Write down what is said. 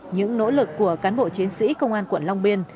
những nỗ lực của cán bộ chiến sĩ công an quận long biên